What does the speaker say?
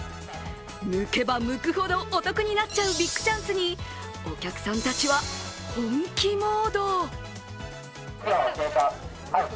むけばむくほどお得になっちゃうビッグチャンスにお客さんたちは本気モード。